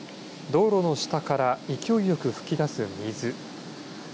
道路の下から勢いよく噴き出す水。